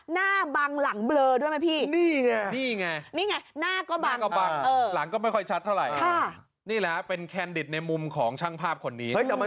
หน้าเบรอหลังชัด